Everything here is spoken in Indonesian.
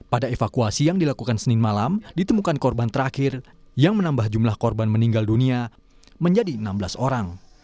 pada evakuasi yang dilakukan senin malam ditemukan korban terakhir yang menambah jumlah korban meninggal dunia menjadi enam belas orang